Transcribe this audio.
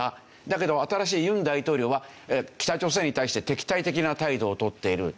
だけど新しい尹大統領は北朝鮮に対して敵対的な態度を取っている。